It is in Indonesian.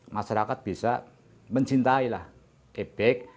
masyarakat bisa mencintai lah epek